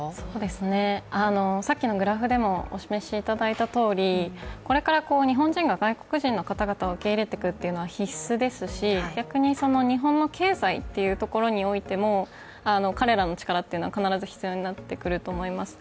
さっきのグラフでもお示しいただいたとおり、これから日本人が外国人の方々を受け入れていくのは必須ですし、逆に日本の経済というところにおいても、彼らの力は必ず必要になってくると思います。